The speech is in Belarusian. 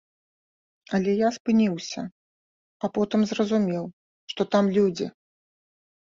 Але я спыніўся, а потым зразумеў, што там людзі!